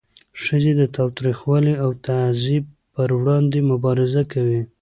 ښځې د تاوتریخوالي او تعذیب پر وړاندې مبارزه کوي.